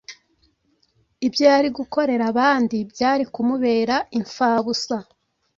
ibyo yari gukorera abandi byari kumubera imfabusa.